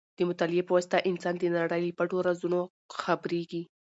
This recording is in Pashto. د مطالعې په واسطه انسان د نړۍ له پټو رازونو خبرېږي.